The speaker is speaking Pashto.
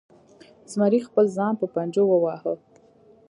زمري خپل ځان په پنجو وواهه.